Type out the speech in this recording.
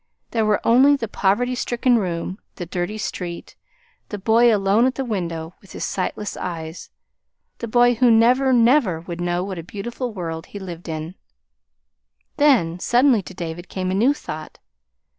There were only the poverty stricken room, the dirty street, the boy alone at the window, with his sightless eyes the boy who never, never would know what a beautiful world he lived in. Then suddenly to David came a new thought.